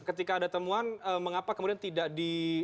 ketika ada temuan mengapa kemudian tidak di